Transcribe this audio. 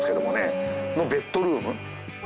ベッドルーム。